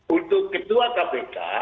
untuk ketua kpk